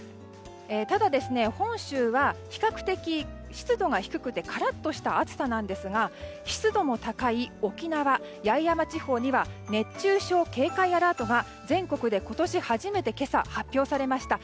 ただ、本州は比較的湿度が低くてカラッとした暑さなんですが湿度も高い沖縄・八重山地方には熱中症警戒アラートが全国で今年初めて今朝発表されました。